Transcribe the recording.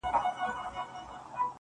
چوپ پاته كيږو نور زموږ خبره نه اوري څوك,